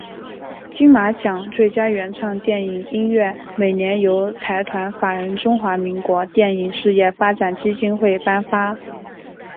金马奖最佳原创电影音乐每年由财团法人中华民国电影事业发展基金会颁发。